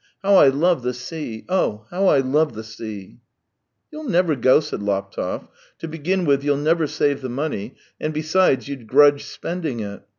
How I love the sea — oh, how I love the sea !"" You'll never go," said Laptev. " To begin with, you'll never save the money; and, besides, you'd grudge spending it.